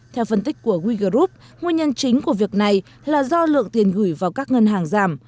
theo phân tích của wegroup nguyên nhân chính của việc này là do lượng tiền gửi vào các ngân hàng giảm